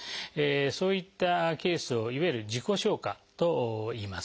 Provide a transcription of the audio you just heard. そういったケースをいわゆる「自己消化」といいます。